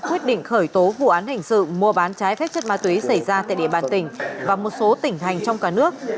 quyết định khởi tố vụ án hình sự mua bán trái phép chất ma túy xảy ra tại địa bàn tỉnh và một số tỉnh hành trong cả nước